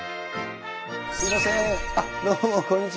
すいませんどうもこんにちは。